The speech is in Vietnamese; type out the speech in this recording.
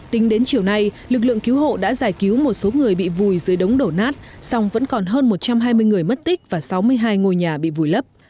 tính đến chiều nay lực lượng cứu hộ đã giải cứu một số người bị vùi dưới đống đổ nát song vẫn còn hơn một trăm hai mươi người mất tích và sáu mươi hai ngôi nhà bị vùi lấp